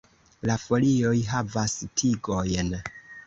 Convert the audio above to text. La folioj havas tigojn.